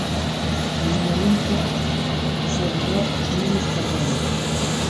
A miña lingua só dirá os nomes gardados.